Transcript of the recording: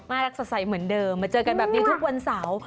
รักสดใสเหมือนเดิมมาเจอกันแบบนี้ทุกวันเสาร์